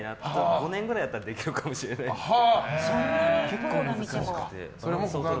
５年くらいあったらできるかもしれないですけど。